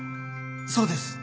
そうです。